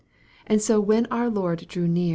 And so when our Lord drew convey.